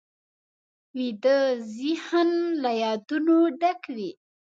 ویده ذهن له یادونو ډک وي